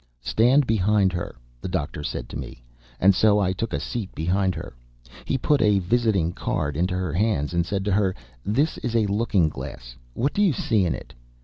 "Stand behind her," the doctor said to me, and so I took a seat behind her. He put a visiting card into her hands, and said to her: "This is a looking glass; what do you see in it?"